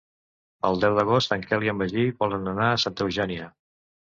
El deu d'agost en Quel i en Magí volen anar a Santa Eugènia.